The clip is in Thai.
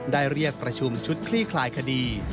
ได้เรียกประชุมชุดคลี่คลายคดี